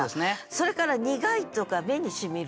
それから「苦い」とか「目に沁みる」とか。